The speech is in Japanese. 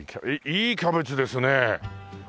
いいキャベツですねえ！